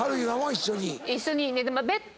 一緒に。